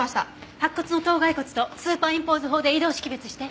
白骨の頭骸骨とスーパーインポーズ法で異同識別して。